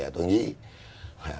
của doanh nghiệp việt nam này